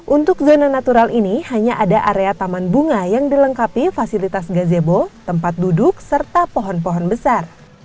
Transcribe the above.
untuk zona natural ini hanya ada area taman bunga yang dilengkapi fasilitas gazebo tempat duduk serta pohon pohon besar